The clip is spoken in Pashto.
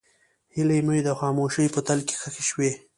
هیلې مې د خاموشۍ په تل کې ښخې شوې.